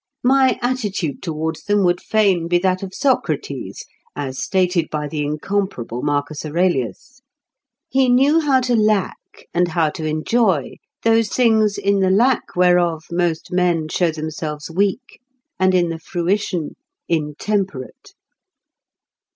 My attitude towards them would fain be that of Socrates, as stated by the incomparable Marcus Aurelius: "He knew how to lack, and how to enjoy, those things in the lack whereof most men show themselves weak; and in the fruition, intemperate."